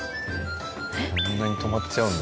あんなに止まっちゃうんだ。